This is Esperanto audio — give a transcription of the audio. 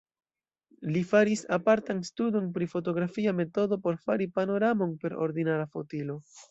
Li faris apartan studon pri fotografia metodo por fari panoramon per ordinara fotilo.